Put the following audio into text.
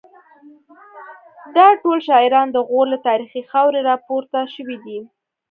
دا ټول شاعران د غور له تاریخي خاورې راپورته شوي دي